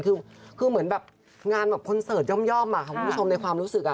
คือเหมือนแบบงานแบบคอนเสิร์ตย่อมคุณผู้ชมในความรู้สึก